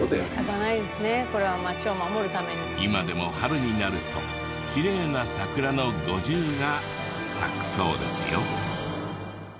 今でも春になるときれいな桜の５０が咲くそうですよ。